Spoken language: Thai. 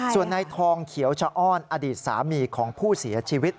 ส่วนนายทองเขียวชะอ้อนอดีตสามีของผู้เสียชีวิต